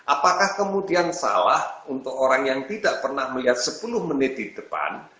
apakah kemudian salah untuk orang yang tidak pernah melihat sepuluh menit di depan